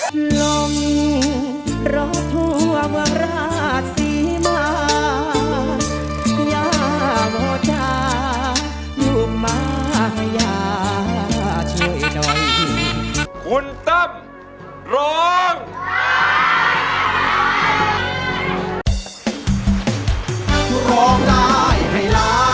โปรดติดตามตอนต่อไป